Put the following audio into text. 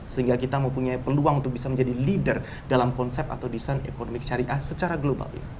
sehingga kita mempunyai peluang untuk bisa menjadi leader dalam konsep atau desain ekonomi syariah secara global